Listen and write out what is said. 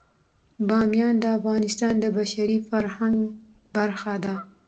بامیان د افغانستان د بشري فرهنګ برخه ده.